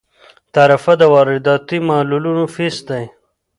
تعرفه د وارداتي مالونو فیس دی.